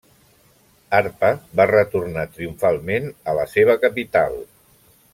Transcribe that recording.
Arpa va retornar triomfalment a la seva capital.